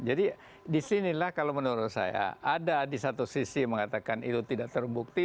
jadi disinilah kalau menurut saya ada di satu sisi mengatakan itu tidak terbukti